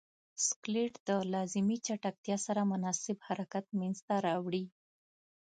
سکلیټ د لازمې چټکتیا سره مناسب حرکت منځ ته راوړي.